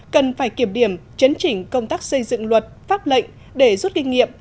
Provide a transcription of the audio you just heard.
cần phải kiểm điểm chấn chỉnh công tác xây dựng luật pháp lệnh để rút kinh nghiệm